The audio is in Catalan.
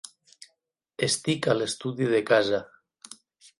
Estic a l’estudi de casa.